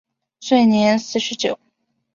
卒年四十九。